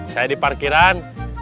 saya di parkiran